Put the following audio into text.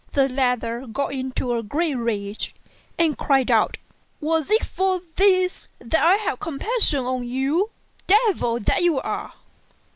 The latter got into a great rage, and cried out, "Was it for this that I had compassion on you, devil that you are?"